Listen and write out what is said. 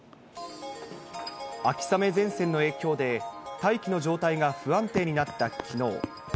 秋雨前線の影響で、大気の状態が不安定になったきのう。